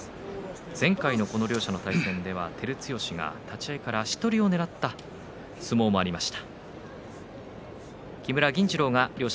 前回の対戦、照強が立ち合い、足取りをねらった相撲もありました。